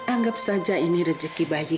anggap saja ini rejeki bayi